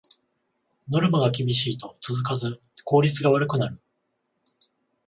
ノルマが厳しいと続かず効率が悪くなる